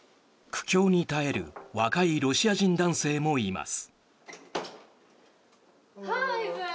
苦境に耐える若いロシア人男性もいます。